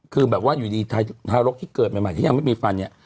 คือแบบว่าอยู่ดีทารกที่เกิดใหม่ที่ยังไม่มีฟันเนี่ย